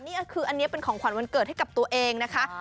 นี่ก็คืออันนี้เป็นของขวัญวันเกิดให้กับตัวเองนะคะ